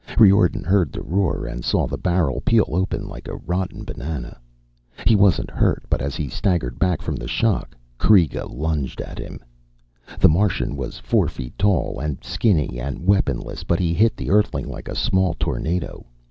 Riordan heard the roar and saw the barrel peel open like a rotten banana. He wasn't hurt, but as he staggered back from the shock Kreega lunged at him. The Martian was four feet tall, and skinny and weaponless, but he hit the Earthling like a small tornado.